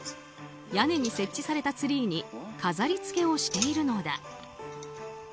屋根に設置されたツリーに飾りつけをしているのだ。